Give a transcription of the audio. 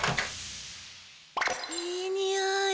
いいにおい。